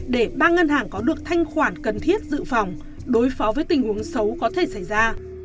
để ba ngân hàng có được thanh khoản cần thiết dự phòng đối phó với tình huống xấu có thể xảy ra